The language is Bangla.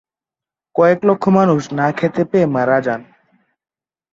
কয়েক লক্ষ মানুষ না খেতে পেয়ে মারা যান।